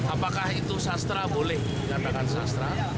apakah itu sastra boleh dikatakan sastra